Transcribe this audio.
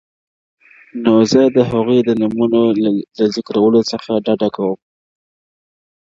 نو زه د هغوی د نومونو له ذکرولو څخه ډډه کوم -